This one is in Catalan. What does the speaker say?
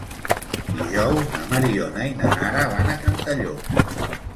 Dijous na Mariona i na Nara van a Cantallops.